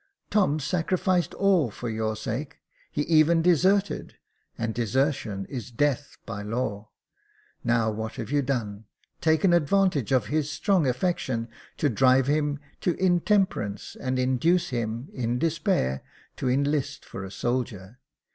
Tom sacrificed all for your sake — he even deserted, and desertion is death by the law. Now what have you done ?— taken advantage of his strong affection, to drive him to intemperance, and induce him, in despair, to enlist for a soldier.